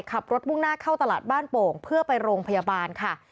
มุ่งหน้าเข้าตลาดบ้านโป่งเพื่อไปโรงพยาบาลค่ะ